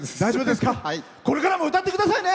これからも歌ってくださいね。